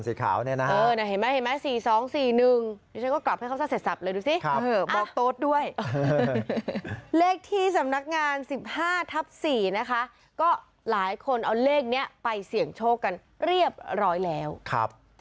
เห็นไหมเห็นไหม๔๒๔๑ดิฉันก็กลับให้เขาซะเสร็จสับเลยดูสิบอกโต๊ดด้วยเลขที่สำนักงาน๑๕ทับ๔นะคะก็หลายคนเอาเลขนี้ไปเสี่ยงโชคกันเรียบร้อยแล้วครับ